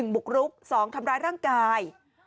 บุกรุก๒ทำร้ายร่างกาย